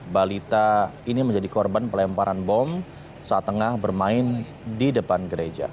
balita ini menjadi korban pelemparan bom saat tengah bermain di depan gereja